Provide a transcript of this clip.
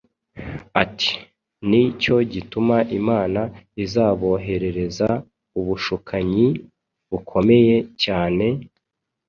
ati: “Ni cyo gituma Imana izaboherereza ubushukanyi bukomeye cyane,